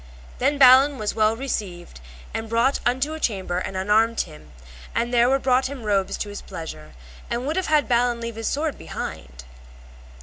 Then Balin was well received and brought unto a chamber and unarmed him; and there were brought him robes to his pleasure, and would have had Balin leave his sword behind him.